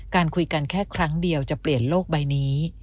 การคุยกันแค่ครั้งเดียวจะเปลี่ยนโลกใบนี้